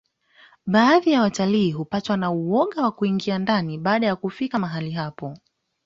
baadhi ya watalii hupatwa na uoga wa kuingia ndani baada ya kufikia mahali hapo